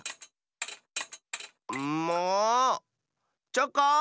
チョコン！